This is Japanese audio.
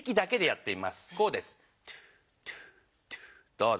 どうぞ！